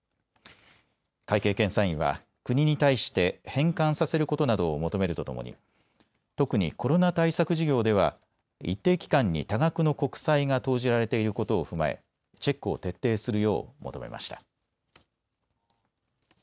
会計検査院は国に対して返還させることなどを求めるとともに特にコロナ対策事業では一定期間に多額の国債が投じられていることを踏まえチェックを徹底するよう求めました。